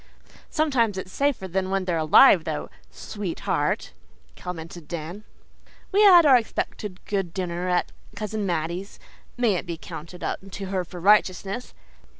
"Sometimes it's safer than when they're alive though, sweetheart," commented Dan. We had our expected good dinner at Cousin Mattie's may it be counted unto her for righteousness.